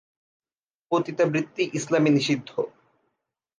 পতিতাবৃত্তি ইসলামে নিষিদ্ধ।